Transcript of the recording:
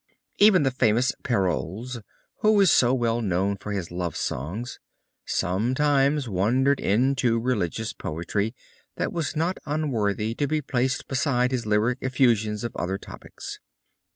Even the famous Peyrols, who is so well known for his love songs, sometimes wandered into religious poetry that was not unworthy to be placed beside his lyric effusions on other topics.